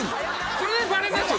それバレますよ！